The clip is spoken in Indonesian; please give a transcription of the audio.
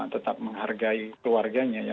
tetap menghargai keluarganya ya